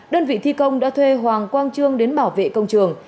đơn vị thi công đã thuê hoàng quang trương đến bảo vệ công trường